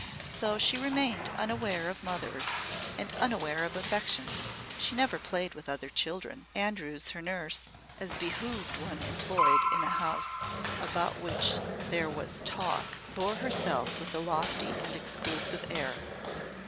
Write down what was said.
So she remained unaware of mothers and unaware of affection. She never played with other children. Andrews, her nurse as behooved one employed in a house about which there "was talk" bore herself with a lofty and exclusive air.